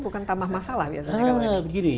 bukan tambah masalah biasanya nah begini